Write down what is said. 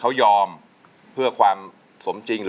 สวัสดีครับคุณหน่อย